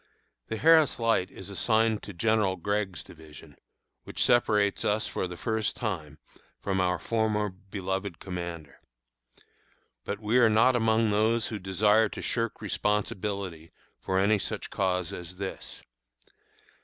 The Harris Light is assigned to General Gregg's division, which separates us, for the first time, from our former beloved commander. But we are not among those who desire to shirk responsibility for any such cause as this.